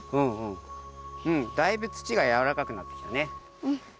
うんだいぶ土がやわらかくなってきたね。